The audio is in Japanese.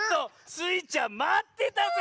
スイちゃんまってたぜ！